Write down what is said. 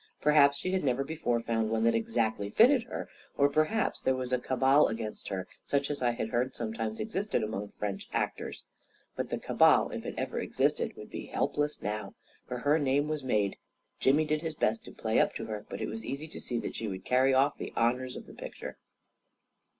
Perhaps she had never be fore found one that exactly fitted her; or perhaps A KING IN BABYLON 193 there was a cabal against her, such as I had heard sometimes existed among French actors. But the cabal, if it ever existed, would be helpless now! For her name was made. Jimmy did his best to play up to her, but it was easy to see that she would carry off the honors of the picture.